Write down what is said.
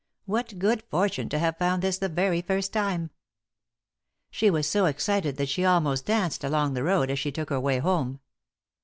What good fortune to have found this the very first time." She was so excited that she almost danced along the road as she took her way home.